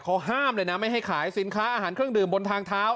เขาห้ามเลยนะไม่ให้ขายสินค้าอาหารเครื่องดื่มบนทางเท้า